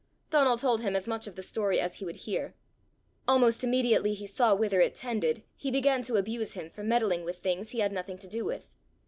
Donal told him as much of the story as he would hear. Almost immediately he saw whither it tended, he began to abuse him for meddling with things he had nothing to do with.